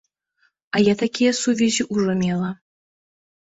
А я такія сувязі ўжо мела.